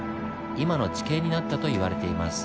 今の地形になったと言われています。